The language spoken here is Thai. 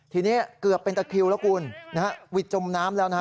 ทีนี้เกือบเป็นสักคริวละกูลวิจมน้ำแล้ว